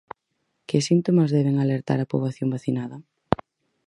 Que síntomas deben alertar a poboación vacinada?